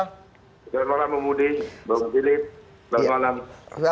selamat malam pak mudi bang filip selamat malam